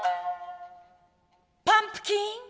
「パンプキン？」。